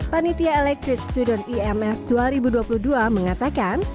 panitia electric student ims dua ribu dua puluh dua mengatakan